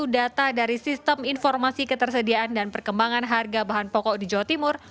data dari sistem informasi ketersediaan dan perkembangan harga bahan pokok di jawa timur